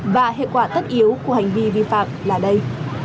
và hệ quả tất yếu của hành vi vi phạm là đây